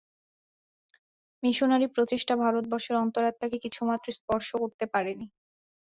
মিশনারী-প্রচেষ্টা ভারতবর্ষের অন্তরাত্মাকে কিছুমাত্র স্পর্শ করতে পারেনি।